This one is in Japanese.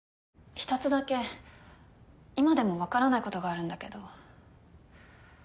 １つだけ今でもわからないことがあるんだけど。